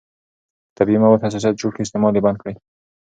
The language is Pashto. که طبیعي مواد حساسیت جوړ کړي، استعمال یې بند کړئ.